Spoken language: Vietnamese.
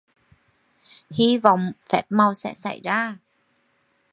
Hi vọng phép màu sẽ xảy ra